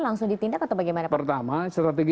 langsung ditindak atau bagaimana pertama strategi